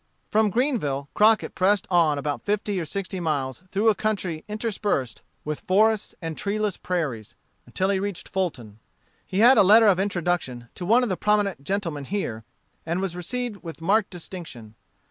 '" From Greenville, Crockett pressed on about fifty or sixty miles through a country interspersed withe forests and treeless prairies, until he reached Fulton. He had a letter of introduction to one of the prominent gentlemen here, and was received with marked distinction.